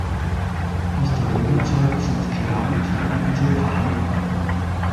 Aus der Römerzeit sind Keramikfragmente erhalten.